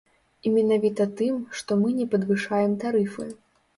І менавіта тым, што мы не падвышаем тарыфы.